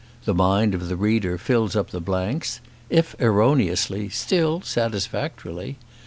The mind of the reader fills up the blanks, if erroneously, still satisfactorily.